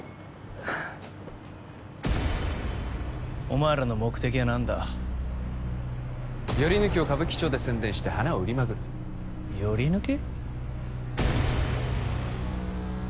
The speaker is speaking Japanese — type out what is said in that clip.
お前らの目的は何だヨリヌキを歌舞伎町で宣伝して花を売りまくるヨリヌキ？